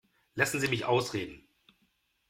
Lassen Sie mich ausreden.